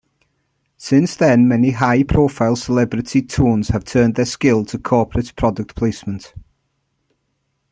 Since then, many high-profile celebrity toons have turned their skills to corporate product placement.